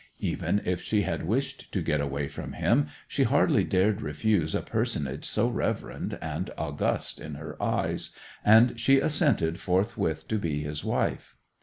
Even if she had wished to get away from him she hardly dared refuse a personage so reverend and august in her eyes, and she assented forthwith to be his wife.